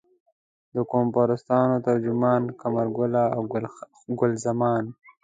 د قوم پرستانو ترجمان قمرګله او ګل زمان.